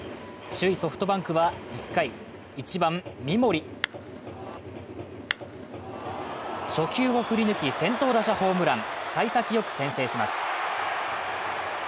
首位・ソフトバンクは１回、１番・三森初球を振り抜き先頭打者ホームラン、さい先よく先制します。